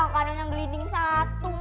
yang kanan yang gelinding satu